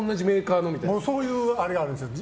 そういうあれがあるんですよ。